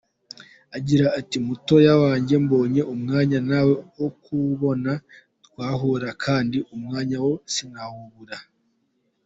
Agira ati “Mutoya wanjye mbonye umwanya nawe akawubona twahura kandi umwanya wo sinawubura.